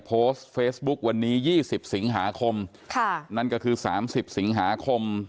โพสต์เฟซบุ๊ควันนี้ยี่สิบสิงหาคมค่ะนั่นก็คือ๓๐สิงหาคม